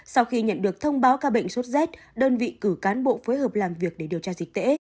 sau khi nhận được thông báo ca bệnh sốt rét đơn vị cử cán bộ phối hợp làm việc để điều tra dịch tễ